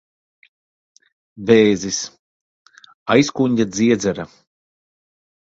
Vēzis. Aizkuņģa dziedzera.